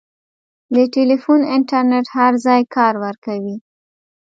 د ټیلیفون انټرنېټ هر ځای کار ورکوي.